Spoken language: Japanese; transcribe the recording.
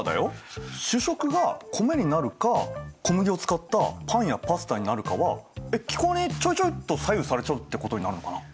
主食が米になるか小麦を使ったパンやパスタになるかは気候にちょいちょいっと左右されちゃうってことになるのかな？